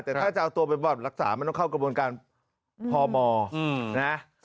แต่ถ้าจะเอาตัวไปรักษามันต้องเข้ากระบวนการพมนะ